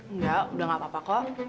enggak udah gak apa apa kok